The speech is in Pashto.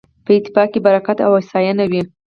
په اتفاق کې برکت او هوساينه وي